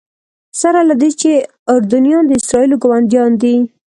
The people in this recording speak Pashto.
سره له دې چې اردنیان د اسرائیلو ګاونډیان دي.